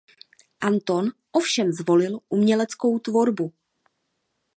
Anton ovšem zvolil uměleckou tvorbu.